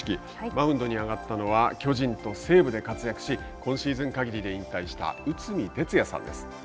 マウンドに上がったのは巨人と西武で活躍し、今シーズンかぎりで引退した内海哲也さんです。